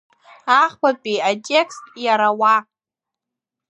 Ахԥатәи атекст Иара уа…